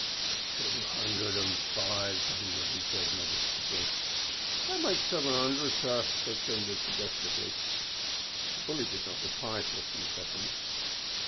"Two hundred and five hundred," he said, meditatively. "That makes siven hundred, sor," said Flinders, suggestively. The bully did not reply for a few seconds.